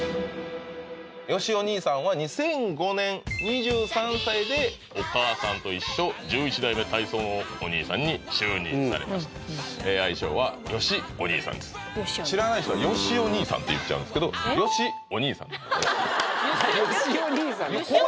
よしお兄さんは「２００５年２３歳で『おかあさんといっしょ』１１代目体操のおにいさんに就任」されました「愛称は『よしお兄さん』」知らない人は「よしお兄さん」って言っちゃうんですけど「よしお兄さん」です